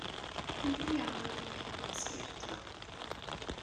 Cyndyn iawn oeddwn i i ddysgu adnod.